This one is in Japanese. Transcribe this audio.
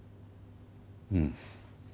うん。